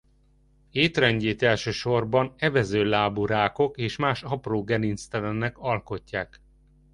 Étrendjét elsősorban evezőlábú rákok és más apró gerinctelenek alkotják.